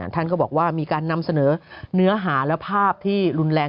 ท่านก็บอกว่ามีการนำเสนอเนื้อหาและภาพที่รุนแรง